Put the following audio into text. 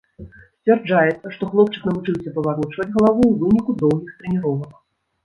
Сцвярджаецца, што хлопчык навучыўся паварочваць галаву ў выніку доўгіх трэніровак.